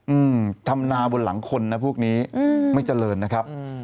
อืมทำนาบนหลังคนนะพวกนี้อืมไม่เจริญนะครับอืม